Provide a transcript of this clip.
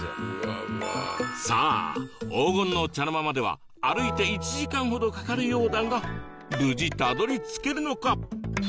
さあ黄金の茶の間までは歩いて１時間ほどかかるようだが無事たどり着けるのか？